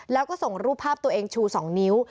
แล้วก็ส่งรูปภาพตัวเองชู๒นิ้ว